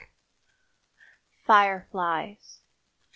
FIRE FLIES.